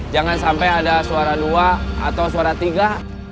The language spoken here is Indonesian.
jangan sampai ada suara dua atau suara tiga